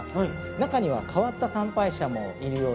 中には変わった参拝者もいるようです。